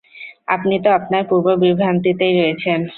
আপনি তো আপনার পূর্ব বিভ্রান্তিতেই রয়েছেন।